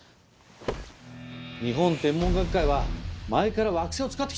日本天文学会は前から「惑星」を使ってきたんだ。